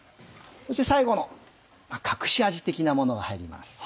そして最後の隠し味的なものが入ります。